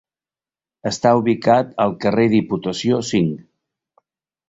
Està ubicat al carrer Diputació cinc.